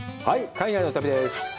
海外の旅です。